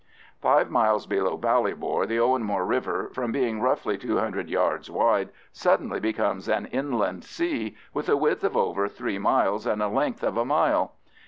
Five miles below Ballybor the Owenmore river, from being roughly two hundred yards wide, suddenly becomes an inland sea, with a width of over three miles and a length of a mile.